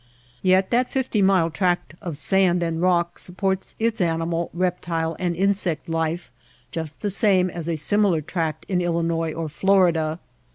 Yet that fifty mile tract of sand and rock supports its animal, reptile and insect life just the same as a similar tract in Illinois or Florida.